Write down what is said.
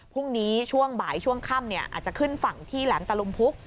พรุ่งนี้ช่วงบ่ายช่วงค่ำอาจจะขึ้นฝั่งที่แหลมตะลุมพุก